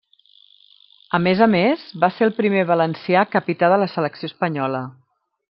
A més a més, va ser el primer valencià capità de la selecció espanyola.